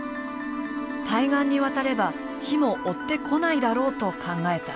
対岸に渡れば火も追ってこないだろうと考えた。